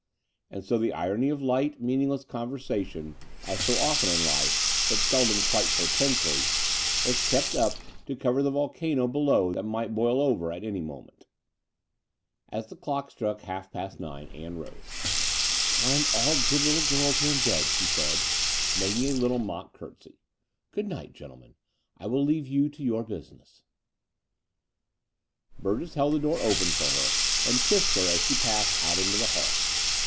And so the irony of light, meaningless conversa tion, as so often in life, but seldom quite so tensely, was kept up to cover the volcano below that might boil over at any moment. 222 The Door of the Unreal As the dock struck half past nine Ann rose. "Time all good little girls were in bed," she said, making a little mock curtsey. ''Good night, gen tlemen: I will leave you to your business." Burgess held the door open for her, and kissed her as she passed out into the hall.